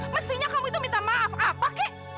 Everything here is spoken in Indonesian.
mestinya kamu itu minta maaf apa kek